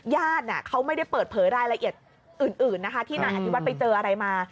ญาติเขาไม่ได้เปิดเผยรายละเอียดอื่นนะคะที่นายอธิวัฒน์ไปเจออะไรมา